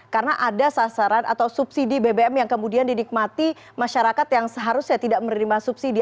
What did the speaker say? karena ada sasaran atau subsidi bbm yang kemudian didikmati masyarakat yang seharusnya tidak menerima subsidi